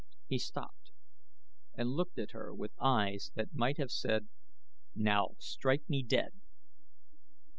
He stopped and looked at her with eyes that might have said: "Now, strike me dead!"